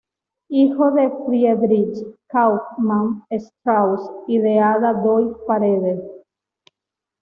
Hijo de Friedrich Kauffmann Strauss y de Ada Doig Paredes.